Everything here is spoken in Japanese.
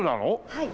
はい。